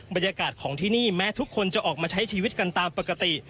บรรยากาศของที่นี่แม้ทุกคนจะออกมาใช้ชีวิตกันตามปกติ